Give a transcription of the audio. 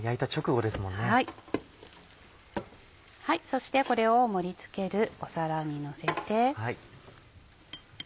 そしてこれを盛り付ける皿にのせて。